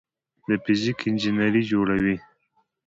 د فزیک انجینري جوړوي.